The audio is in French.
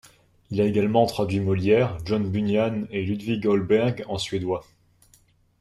Il a également traduit Molière, John Bunyan et Ludvig Holberg en suédois.